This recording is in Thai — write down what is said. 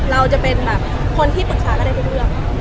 เราจะเป็นแบบคนที่ปรึกษาก็ได้ทุกเรื่อง